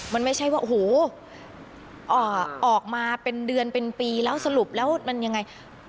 มันไม่ใช่ว่าโอ้โหออกมาเป็นเดือนเป็นปีแล้วสรุปแล้วมันยังไง